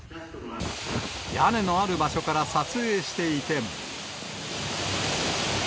屋根のある場所から撮影していても。